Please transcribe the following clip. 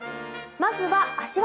まずは足技。